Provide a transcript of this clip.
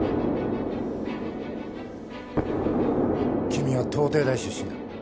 君は東帝大出身だ。